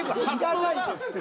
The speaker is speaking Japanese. いらないですって。